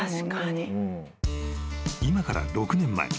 ［今から６年前。